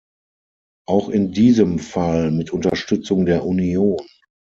Auch in diesem Fall mit Unterstützung der Union.